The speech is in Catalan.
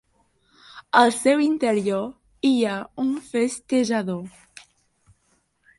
Al seu interior hi ha un festejador.